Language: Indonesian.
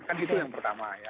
kan itu yang pertama ya